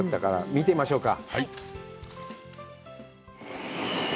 見てみましょうか。